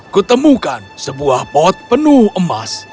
kutemukan sebuah pot penuh emas